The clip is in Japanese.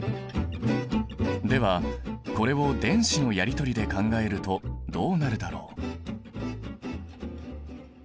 ではこれを電子のやりとりで考えるとどうなるだろう？